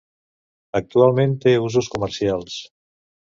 Actualment té usos comercials.